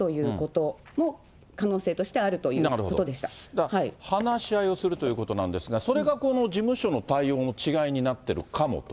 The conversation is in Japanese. だから話し合いをするということなんですが、それがこの事務所の対応の違いになっているかもと。